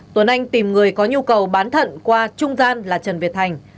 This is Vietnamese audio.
tuấn anh tìm người có nhu cầu bán thận qua trung gian là trần việt thành